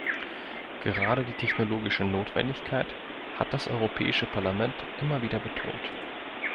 Gerade die technologische Notwendigkeit hat das Europäische Parlament immer wieder betont.